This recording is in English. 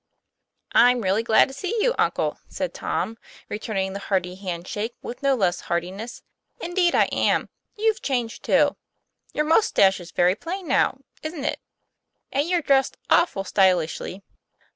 'I'm real glad to see you, uncle," said Tom, re turning the hearty hand shake with no less hearti ness, "indeed I am. You've changed, too. Your mustache is very plain now isn't it ? And you're dressed awful stylishly.